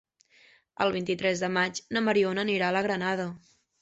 El vint-i-tres de maig na Mariona anirà a la Granada.